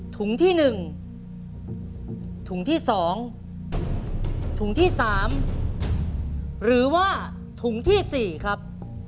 ถุงที่๑ถุงที่๒ถุงที่๓หรือว่าถุงที่๔ครับ